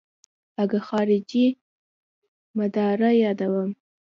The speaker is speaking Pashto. اگه خارجۍ مرداره يادوم.